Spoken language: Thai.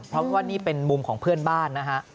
เพราะว่านี่เป็นมุมของเพื่อนบ้านนะฮะ